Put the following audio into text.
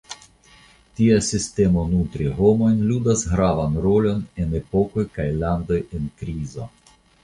Tia sistemo nutri homojn ludas gravan rolon en epokoj kaj landoj en krizo.